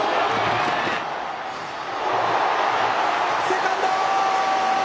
セカンドー！！